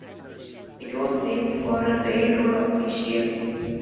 It was named for a railroad official.